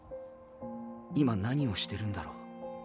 今何をしてるんだろう。